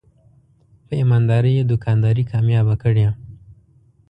په ایماندارۍ یې دوکانداري کامیابه کړې.